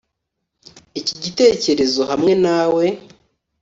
iki gitekerezo hamwe nawe